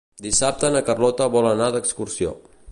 Dissabte na Carlota vol anar d'excursió.